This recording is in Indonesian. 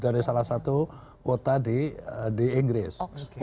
dari salah satu kota di inggris